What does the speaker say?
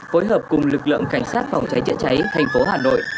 phối hợp cùng lực lượng cảnh sát phòng cháy chữa cháy tp hà nội